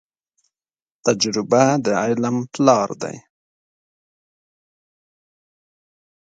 تجربه د علم پلار دي.